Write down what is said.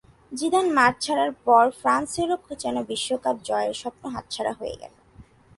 Zidane মাঠ ছাড়ার পর ফ্রান্সেরও যেন বিশ্বকাপ জয়ের স্বপ্ন হাতছাড়া হয়ে গেল।